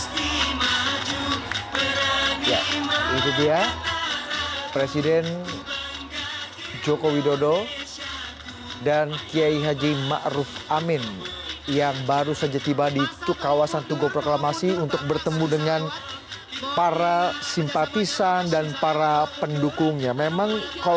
kita akan menyaksikan bagaimana apa selebrasi yang akan dilakukan apa acara di sana